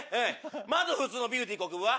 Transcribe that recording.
まず普通のビューティーこくぶは。